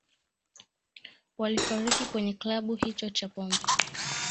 walifariki kwenye kilabu hicho cha pombe